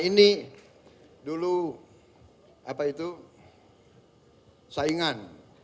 ini dulu apa itu saingan